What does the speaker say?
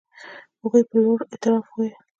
هغوی په لوړ اعتراف وویل.